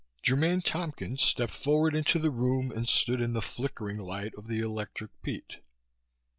Germaine Tompkins stepped forward into the room and stood in the flickering light of the electric peat.